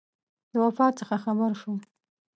د وفات څخه خبر شو.